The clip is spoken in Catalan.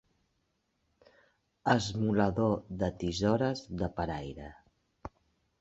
Esmolador de tisores de paraire.